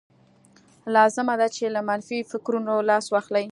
لازمه ده چې له منفي فکرونو لاس واخلئ